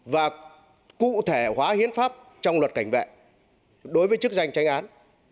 và cụ thể hóa hiến pháp trong luật cảnh vệ đối với chức danh tranh án